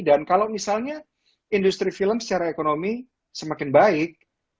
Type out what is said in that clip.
dan kalau misalnya industri film secara ekonomi semakin baik